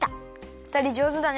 ふたりじょうずだね。